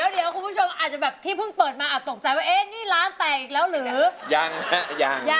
เดี๋ยวคุณผู้ชมอาจจะแบบที่เพิ่งเปิดมาอาจตกใจว่านี่ร้านแตกแล้วหรือ